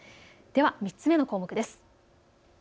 では３つ目の項目です。